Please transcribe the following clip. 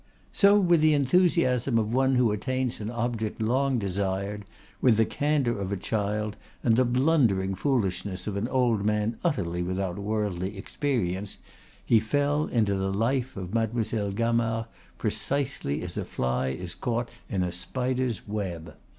So, with the enthusiasm of one who attains an object long desired, with the candor of a child, and the blundering foolishness of an old man utterly without worldly experience, he fell into the life of Mademoiselle Gamard precisely as a fly is caught in a spider's web.